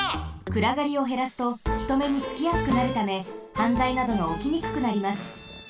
くらがりをへらすとひとめにつきやすくなるためはんざいなどがおきにくくなります。